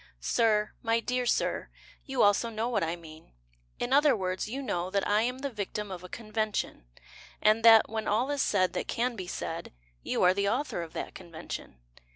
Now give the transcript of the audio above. Sir, My dear Sir, You also know what I mean; In other words, you know That I am the victim of a convention, And that, when all is said that can be said, You are the author of that convention.